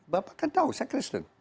bapak kan tahu saya kristen